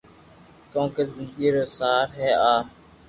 ڪونڪھ زندگي رو سار ھي آ